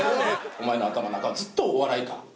お前の頭の中はずっとお笑いか？